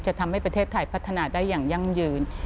ทำให้ประเทศไทยพัฒนาได้อย่างยั่งยืน